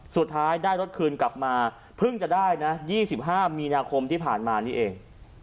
สุดท้ายได้รถคืนกลับมาเพิ่งจะได้นะ๒๕มีนาคมที่ผ่านมานี่เอง